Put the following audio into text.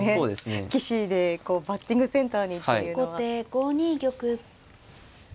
棋士でバッティングセンターにっていうのは。